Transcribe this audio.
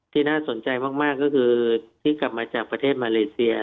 ที่น่าสนใจมากก็คือที่กลับมาจากประเทศมาเลเซีย